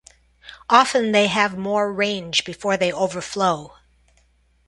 Often, they have more range before they overflow.